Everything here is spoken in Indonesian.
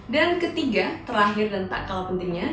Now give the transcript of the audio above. dan ketiga terakhir dan tak kalah pentingnya